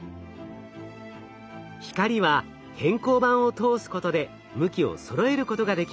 光は偏光板を通すことで向きをそろえることができます。